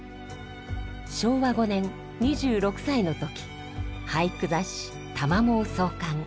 昭和５年２６歳の時俳句雑誌「玉藻」を創刊。